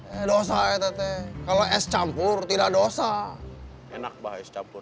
ada jalan kan tuh sama abah